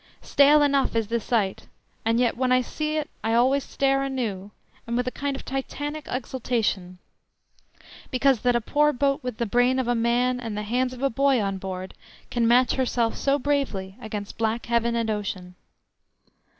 Stale enough is the sight, and yet when I see it I always stare anew, and with a kind of Titanic exultation, because that a poor boat with the brain of a man and the hands of a boy on board can match herself so bravely against black heaven and ocean.